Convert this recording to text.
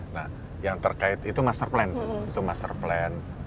nah yang terkait itu master plan itu master plan